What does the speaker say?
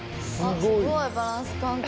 すごいバランス感覚。